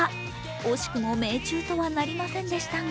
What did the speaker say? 惜しくも命中とはなりませんでしたが